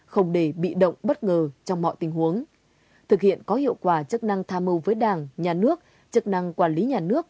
không để bị động bất ngờ trong mọi tình huống thực hiện có hiệu quả chức năng tham mưu với đảng nhà nước chức năng quản lý nhà nước